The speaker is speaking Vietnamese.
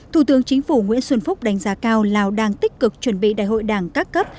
thủ tướng chính phủ nguyễn xuân phúc đánh giá cao lào đang tích cực chuẩn bị đại hội đảng các cấp